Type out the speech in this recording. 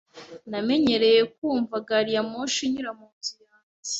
Namenyereye kumva gari ya moshi inyura munzu yanjye.